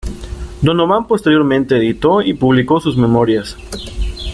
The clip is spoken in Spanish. Donovan posteriormente editó y publicó sus memorias.